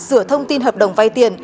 và sửa thông tin hợp đồng vay tiền